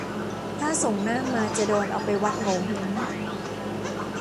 ถ้าส่งหน้ามาจะโดนเอาไปวัดโหงวเฮ้ง